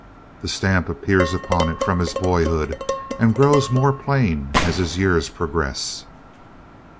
The stamp appears upon it from his boyhood, and grows more plain as his years progress."